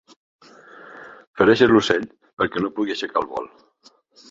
Fereixis l'ocell perquè no pugui aixecar el vol.